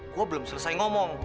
gue belum selesai ngomong